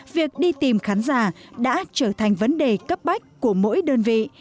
việc đi tìm khán giả đã trở thành vấn đề cấp bách của mỗi đơn vị